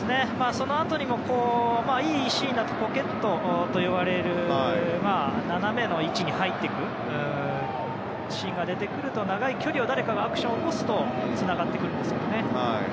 そのあとにも、いいシーンだとポケットといわれる斜めの位置に入ってくるシーンが出てくると長い距離で誰かがアクションを起こすとつながりますけどね。